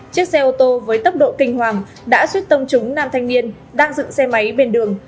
chiếc xe ô tô với tốc độ kinh hoàng đã suýt tông trúng nam thanh niên đang dựng xe máy bên đường